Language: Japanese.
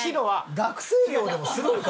学生寮でもするんか！